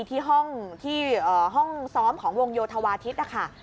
ที่ห้องซ้อมของวงโยธวาทิศนะคะ